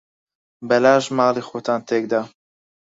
بەلاش ماڵی خۆتان تێک دا.